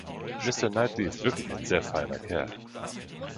Mr Knightley ist wirklich ein sehr feiner Kerl!